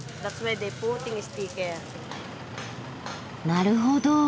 なるほど。